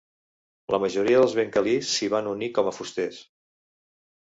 La majoria dels bengalís s'hi van unir com a fusters.